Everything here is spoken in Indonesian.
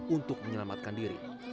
untuk menyelamatkan diri